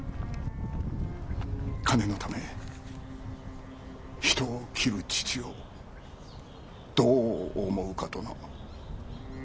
金のため人を斬る父をどう思うかとな。